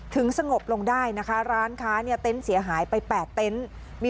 สงบลงได้นะคะร้านค้าเนี่ยเต็นต์เสียหายไป๘เต็นต์มี